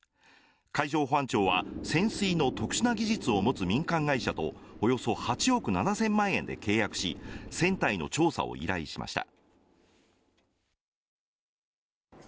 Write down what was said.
海上保安庁は潜水の特殊な技術を持つ民間会社とおよそ８億７０００万円で契約し船体の調査を依頼しました。